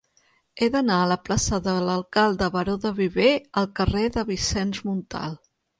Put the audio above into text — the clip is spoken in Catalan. He d'anar de la plaça de l'Alcalde Baró de Viver al carrer de Vicenç Montal.